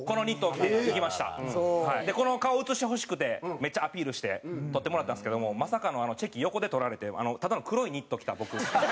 この顔を写してほしくてめっちゃアピールして撮ってもらったんですけどもまさかのチェキ横で撮られてただの黒いニット着た僕。